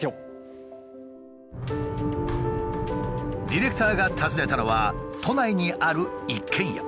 ディレクターが訪ねたのは都内にある一軒家。